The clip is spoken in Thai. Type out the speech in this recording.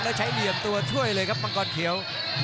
แล้วใช้เหลี่ยมตัวช่วยเลยครับมังกรเขียว